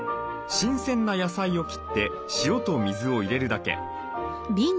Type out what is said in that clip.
新鮮な野菜を切って塩と水を入れるだけ。